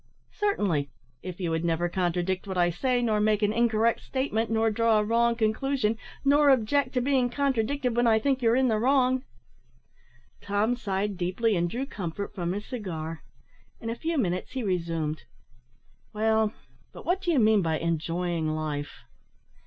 "Certainly, if you would never contradict what I say, nor make an incorrect statement, nor draw a wrong conclusion, nor object to being contradicted when I think you are in the wrong." Tom sighed deeply, and drew comfort from his cigar. In a few minutes he resumed, "Well, but what do you mean by enjoying life?"